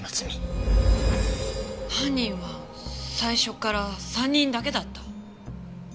犯人は最初から３人だけだった？